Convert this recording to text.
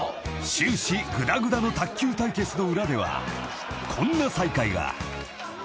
［終始ぐだぐだの卓球対決の裏ではこんな再会が］